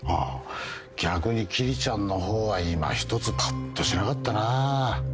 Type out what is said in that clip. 逆に桐ちゃんの方はいまひとつパッとしなかったなぁ。